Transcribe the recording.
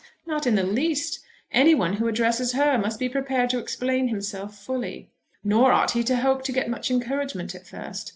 "Not in the least. Any one who addresses her must be prepared to explain himself fully. Nor ought he to hope to get much encouragement at first.